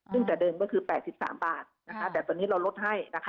ซึ่งจากเดิมก็คือ๘๓บาทแต่ตอนนี้เราลดให้นะคะ